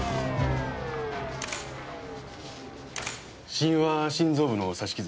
死因は心臓部の刺し傷。